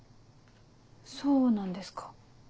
そうなんですか。